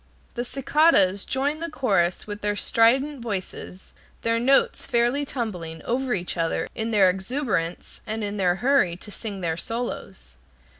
The cicadas join the chorus with their strident voices, their notes fairly tumbling over each other in their exuberance, and in their hurry to sing their solos.